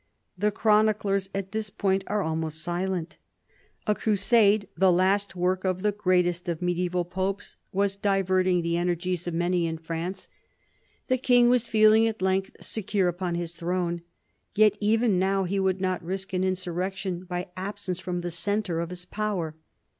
The chroniclers at this point are almost silent. A crusade, the last work of the greatest of medieval popes, was diverting the energies of many 194 PHILIP AUGUSTUS chap. in France. The king was feeling at length secure upon his throne. Yet even now he would not risk an insurrection by absence from the centre of his power.